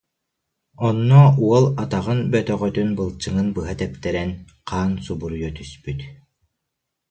Онно уол атаҕын бөтөҕөтүн былчыҥын быһа тэптэрэн, хаан субуруйа түспүт